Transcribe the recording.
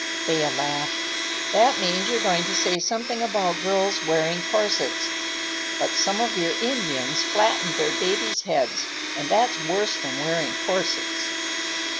Thea laughed. "That means you're going to say something about girls' wearing corsets. But some of your Indians flattened their babies' heads, and that's worse than wearing corsets."